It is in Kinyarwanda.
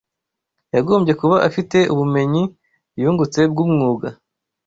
yagombye kuba afite ubumenyi yungutse bw’umwuga